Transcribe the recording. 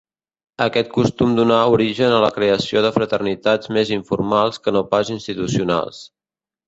Aquest costum donà origen a la creació de fraternitats més informals que no pas institucionals.